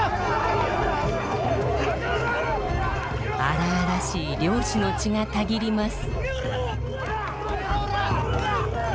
荒々しい漁師の血がたぎります。